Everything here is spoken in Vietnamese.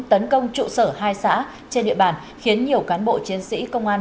tấn công trụ sở hai xã trên địa bàn khiến nhiều cán bộ chiến sĩ công an